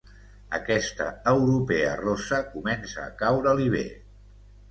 Aquesta europea rossa comença a caure-li bé.